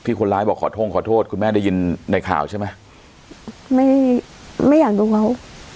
คนร้ายบอกขอโทษคุณแม่ได้ยินในข่าวใช่ไหมไม่ไม่อยากดูเขา